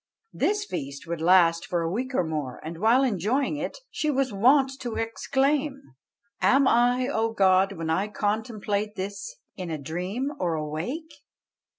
This feast would last for a week or more; and while enjoying it she was wont to exclaim "Am I, O God, when I contemplate this, in a dream or awake?